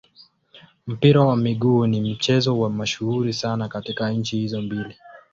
Mpira wa miguu ni mchezo mashuhuri sana katika nchi hizo mbili.